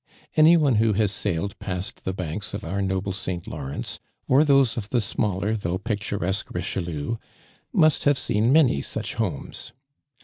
Any one who has sailed past thb banks of our noble St. Lawrence, or those of the smaller, though picturesque Richelieu, must have seen many such homes.